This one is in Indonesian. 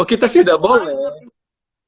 oh kita sih udah boleh